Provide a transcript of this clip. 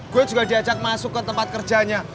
gue juga diajak masuk ketempat kerjanya